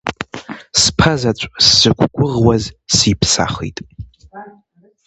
Сԥазаҵә сзықәгәыӷуаз сиԥсахит.